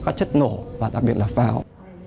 và cấm việc sử dụng các chất nổ và đặc biệt là pháo